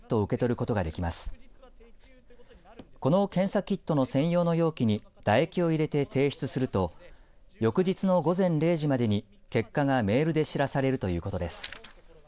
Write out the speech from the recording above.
この検査キットの専用の容器に唾液を入れて提出すると翌日の午前０時までに結果がメールで知らされるということです。